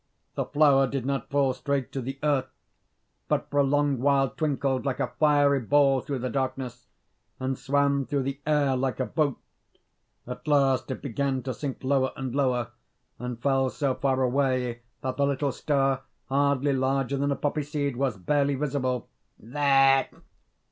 The flower did not fall straight to the earth, but for a long while twinkled like a fiery ball through the darkness, and swam through the air like a boat. At last it began to sink lower and lower, and fell so far away that the little star, hardly larger than a poppy seed, was barely visible. "There!"